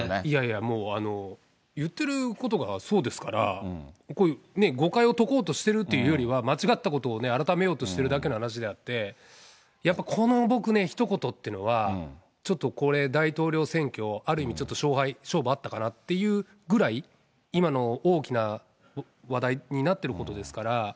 いやいや、もう言ってることがそうですから、こういう誤解を解こうとしてるっていうよりは、間違ったことを改めようとしているだけの話であって、やっぱり、このひと言っていうのは、ちょっとこれ、大統領選挙、ある意味、ちょっと勝敗、勝負あったかなっていうぐらい、今の大きな話題になってることですから。